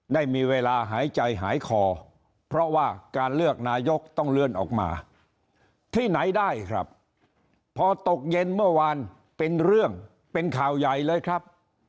ได้มีเวลาหายใจหายคอเพราะว่าการเลือกนายกต้องเลื่อนออกมาที่ไหนได้ครับพอตกเย็นเมื่อวานเป็นเรื่องเป็นข่าวใหญ่เลยครับ